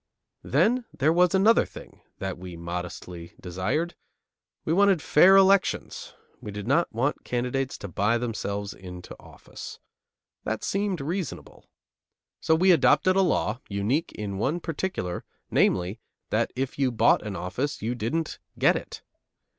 Then there was another thing that we modestly desired: We wanted fair elections; we did not want candidates to buy themselves into office. That seemed reasonable. So we adopted a law, unique in one particular, namely: that if you bought an office, you didn't get it.